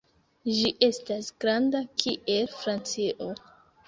Ĝi estas granda kiel Francio.